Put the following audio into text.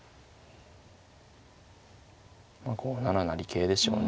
まあ５七成桂でしょうね。